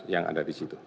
yang ada di situ